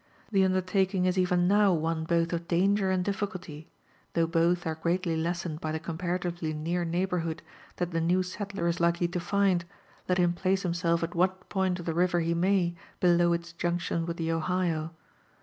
The undertaking is even now one both of danger and difficulty ; though both are greatly lessened by the comparatively near neighbourhood that (he new settler is likely to find, let him place himself at what point of the liver he may, below its junction with the Ohio.